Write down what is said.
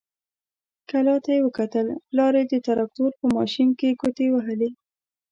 کلا ته يې وکتل، پلار يې د تراکتور په ماشين کې ګوتې وهلې.